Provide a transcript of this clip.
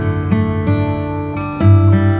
terima kasih ya mas